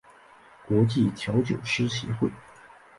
国际调酒师协会